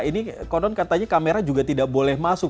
ini konon katanya kamera juga tidak boleh masuk